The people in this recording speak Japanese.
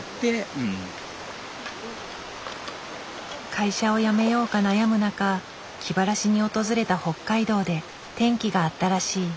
会社を辞めようか悩む中気晴らしに訪れた北海道で転機があったらしい。